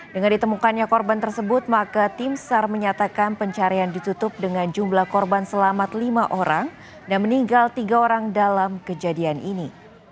dengan ditemukannya korban tersebut maka tim sar menyatakan pencarian ditutup dengan jumlah korban selamat lima orang dan meninggal tiga orang dalam kejadian ini